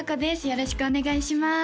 よろしくお願いします